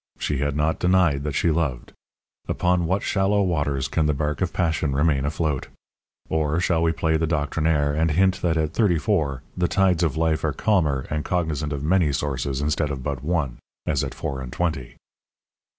She had not denied that she loved. Upon what shallow waters can the bark of passion remain afloat! Or, shall we play the doctrinaire, and hint that at thirty four the tides of life are calmer and cognizant of many sources instead of but one as at four and twenty?